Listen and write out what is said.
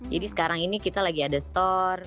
jadi sekarang ini kita lagi ada store